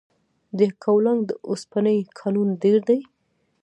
د یکاولنګ د اوسپنې کانونه ډیر دي؟